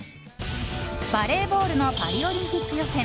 バレーボールのパリオリンピック予選。